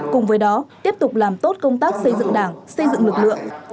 cùng với đó tiếp tục làm tốt công tác xây dựng đảng xây dựng lực lượng